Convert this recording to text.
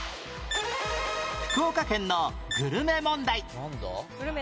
福岡県のグルメ問題なんだ？